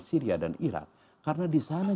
syria dan iran karena di sana